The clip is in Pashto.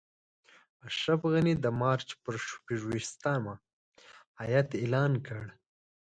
اشرف غني د مارچ پر شپږویشتمه هیات اعلان کړ.